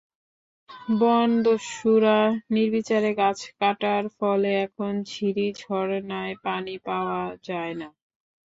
বনদস্যুরা নির্বিচারে গাছ কাটার ফলে এখন ঝিরি-ঝরনায় পানি পাওয়া যায় না।